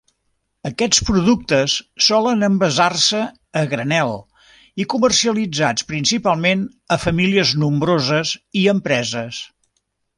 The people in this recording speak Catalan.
Aquests productes solen envasar-se a granel i comercialitzats principalment a famílies nombroses i empreses.